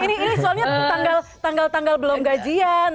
ini soalnya tanggal tanggal belum gajian